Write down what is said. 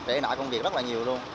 trễ nãy công việc rất là nhiều luôn